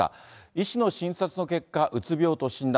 医師の診察の結果、うつ病と診断。